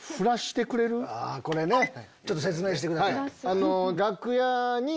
ちょっと説明してください。